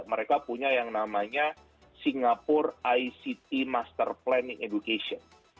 mereka punya yang namanya singapore ict master planning education